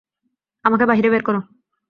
আমাকে বাহিরে বের কর!